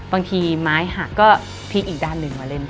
บางทีไม้หักก็พลิกอีกด้านหนึ่งมาเล่น